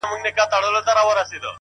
په اور دي وسوځم؛ په اور مي مه سوځوه؛